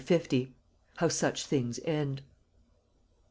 HOW SUCH THINGS END.